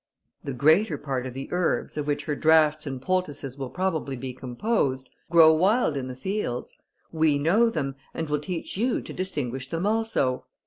"The greater part of the herbs, of which her draughts and poultices will probably be composed, grow wild in the fields: we know them, and will teach you to distinguish them also.